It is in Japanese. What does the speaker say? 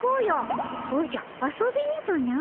おじゃ遊びにとな？